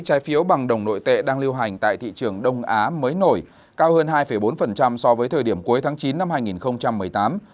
trái phiếu bằng đồng nội tệ đang lưu hành tại thị trường đông á mới nổi cao hơn hai bốn so với thời điểm cuối tháng chín năm hai nghìn một mươi tám